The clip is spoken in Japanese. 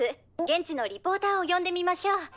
現地のリポーターを呼んでみましょう」。